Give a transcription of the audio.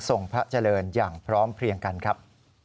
พระเจริญอย่างพร้อมเพลียงกันครับ